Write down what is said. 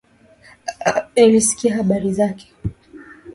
Nilisikia habari zake